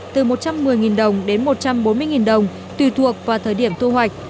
từ một trăm một mươi đồng đến một trăm bốn mươi đồng tùy thuộc vào thời điểm thu hoạch